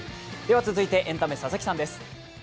続いてエンタメ、佐々木さんです。